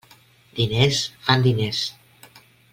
Diners fan diners.